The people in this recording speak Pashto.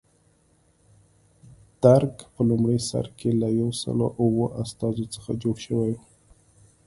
درګ په لومړي سر کې له یو سل اوه استازو څخه جوړ شوی و.